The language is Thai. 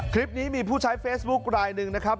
คลิปนี้มีผู้ใช้เฟซบุ๊คลายหนึ่งนะครับ